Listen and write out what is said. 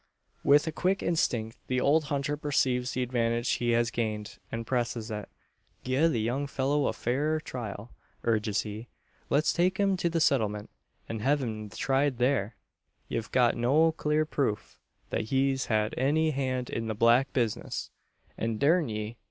With a quick instinct the old hunter perceives the advantage he has gained, and presses it. "Gie the young fellur a fair trial," urges he. "Let's take him to the settlement, an hev' him tried thur. Ye've got no clur proof, that he's had any hand in the black bizness; and durn me!